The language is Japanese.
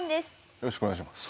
よろしくお願いします。